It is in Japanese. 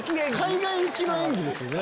海外行きの演技ですよね。